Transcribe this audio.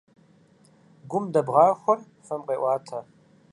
Гум дэбгъахуэр фэм къеӀуатэ.